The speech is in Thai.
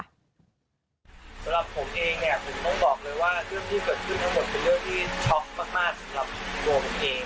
ในสมองของผมณตอนนั้นคือแบบหมอเนี่ย